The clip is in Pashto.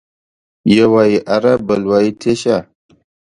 يو وايي اره ، بل وايي تېشه.